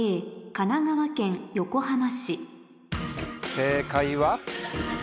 正解は？